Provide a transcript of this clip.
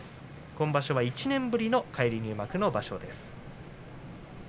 今場所は１年ぶりの返り入幕の場所です。